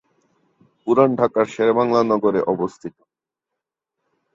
পুরান ঢাকার শেরেবাংলা নগর এ অবস্থিত।